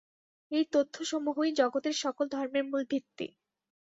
এই তথ্যসমূহই জগতের সকল ধর্মের মূল ভিত্তি।